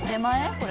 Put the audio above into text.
これ。